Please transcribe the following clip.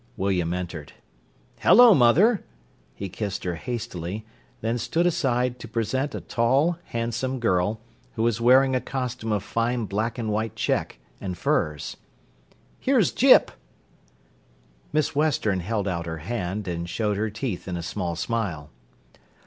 William entered. "Hello, mother!" He kissed her hastily, then stood aside to present a tall, handsome girl, who was wearing a costume of fine black and white check, and furs. "Here's Gyp!" Miss Western held out her hand and showed her teeth in a small smile.